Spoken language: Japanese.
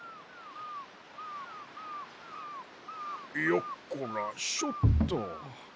よっこらしょっと。